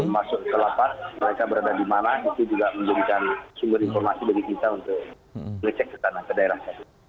masuk ke lapas mereka berada di mana itu juga memberikan sumber informasi bagi kita untuk ngecek ke daerah satu